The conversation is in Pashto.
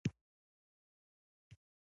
د وریجو د حاصل ټولولو نښې کومې دي؟